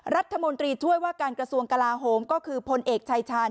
รัฐมนตรีช่วยว่าการกระทรวงกลาโหมก็คือพลเอกชายชาญ